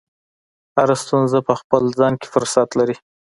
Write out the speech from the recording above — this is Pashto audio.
هره ستونزه په خپل ځان کې فرصت لري.